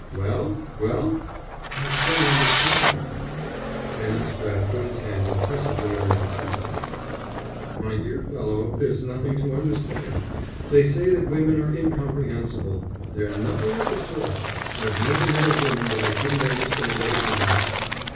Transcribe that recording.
"Well? Well?" "I don't understand her." Canon Spratte put his hand impressively on Wroxham's knee. "My dear fellow, there's nothing to understand. They say that women are incomprehensible. They're nothing of the sort. I've never met a woman that I couldn't understand at a glance."